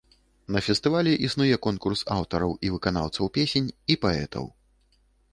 На фестывалі існуе конкурс аўтараў і выканаўцаў песень і паэтаў.